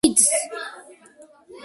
kids